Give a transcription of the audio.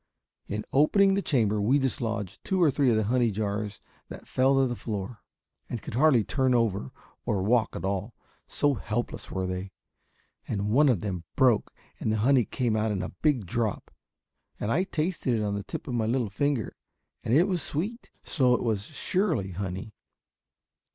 In opening the chamber we dislodged two or three of the honey jars that fell to the floor and could hardly turn over or walk at all, so helpless were they. And one of them broke and the honey came out in a big drop, and I tasted it on the tip of my little finger, and it was sweet. So it was surely honey.